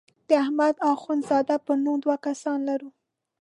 د احمد اخوند زاده په نوم دوه کسان لرو.